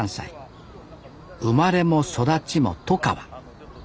生まれも育ちも外川。